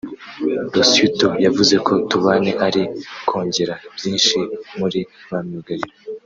Losciuto yavuze ko Tubane ari kongera byinshi muri ba myugariro